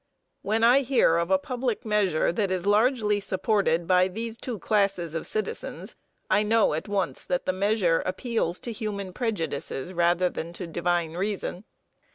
When I hear of a public measure that is largely supported by these two classes of citizens, I know at once that the measure appeals to human prejudices rather than to divine reason.